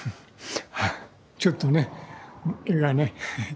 ちょっとね絵がね